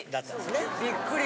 びっくり。